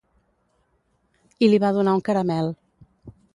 I li va donar un caramel.